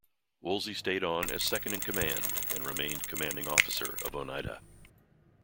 Woolsey stayed on as second in command and remained commanding officer of "Oneida".